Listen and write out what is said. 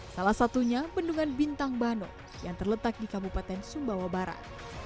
salah satunya bendungan bintang bano yang terletak di kabupaten sumbawa barat